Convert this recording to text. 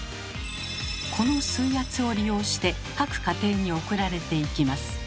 この水圧を利用して各家庭に送られていきます。